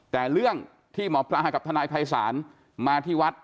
แต่เรื่องที่หมอปลากับทนายภัยศาลมาที่วัด